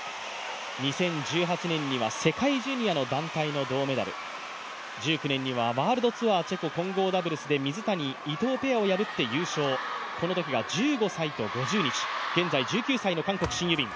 ２０１８年には世界ジュニアの団体の銅メダル、１９年にはワールドツアーチェコ混合ダブルスで水谷・伊藤ペアを破って優勝、このときが１５歳と５０日、現在１９歳の韓国、シン・ユビン。